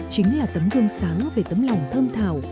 chính là tấm gương sáng về tấm lòng thơm thảo